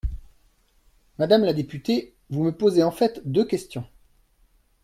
Madame la députée, vous me posez en fait deux questions.